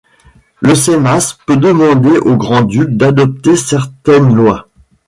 Le Seimas peut demander au grand-duc d’adopter certaines lois.